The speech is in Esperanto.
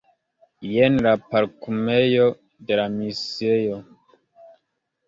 Jen la parkumejo de la misiejo.